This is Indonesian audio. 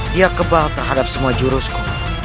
dia kebal terhadap semua jurusku